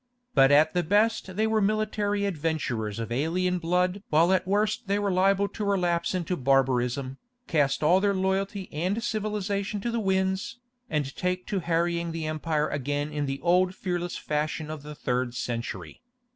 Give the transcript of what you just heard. But at the best they were military adventurers of alien blood while at the worst they were liable to relapse into barbarism, cast all their loyalty and civilization to the winds, and take to harrying the empire again in the old fearless fashion of the third century.